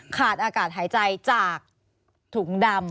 ขาดอากาศหายใจจากถุงดำ